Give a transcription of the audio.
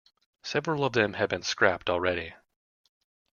Several of them have been scrapped already.